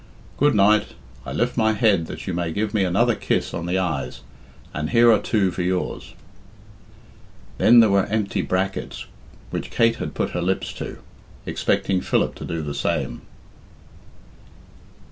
Good night! I lift my head that you may give me another kiss on the eyes, and here are two for yours." Then there were empty brackets [], which Kate had put her lips to, expecting Philip to do the same.